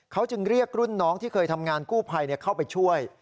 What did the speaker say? เขาจึงเรียกรุ่นน้องที่เคยทำงานกู้ภัยเข้าไปช่วย